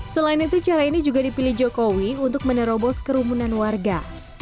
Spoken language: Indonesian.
selain itu cara ini juga dipilih jokowi untuk menerobos kerumunan warga